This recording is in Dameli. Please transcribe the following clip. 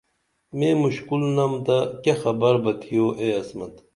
مے مُشکول نم تہ کیہ خبر بہ تِھیو اے عصمت